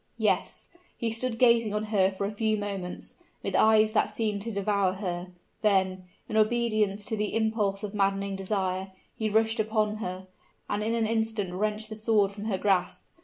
Yes; he stood gazing on her for a few moments, with eyes that seemed to devour her: then, in obedience to the impulse of maddening desire, he rushed upon her, and in an instant wrenched the sword from her grasp.